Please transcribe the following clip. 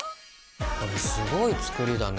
これすごい作りだね。